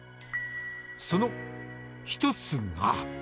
その一つが。